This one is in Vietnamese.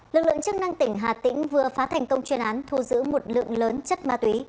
lực lượng chức năng tỉnh hà tĩnh vừa phá thành công chuyên án thu giữ một lượng lớn chất ma túy